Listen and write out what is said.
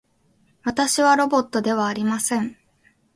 私はロボットではありません。